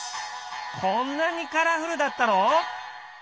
こんなにカラフルだったの！？